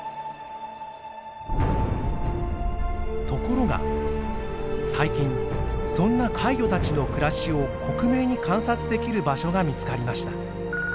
ところが最近そんな怪魚たちの暮らしを克明に観察できる場所が見つかりました。